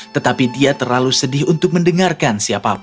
tetapi dia terlalu sedih untuk mendengarkan siapapun